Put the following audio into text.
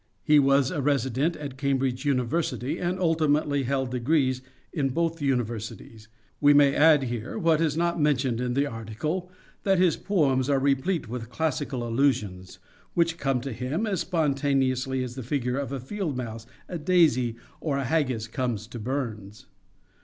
He was a resident at Cambridge University and ulti mately held degrees in both universities. We may add here, what is not mentioned in the article, that his poems are replete with classical allusions, which come to him as spontaneously as the figure of a field mouse, a daisy, or a haggis, comes to Burns.